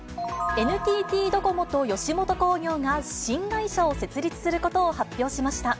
ＮＴＴドコモと吉本興業が新会社を設立することを発表しました。